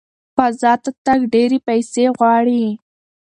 فضا ته تګ ډېرې پیسې غواړي.